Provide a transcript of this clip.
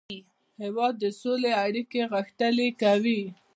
هېواد د سولې اړیکې غښتلې کوي.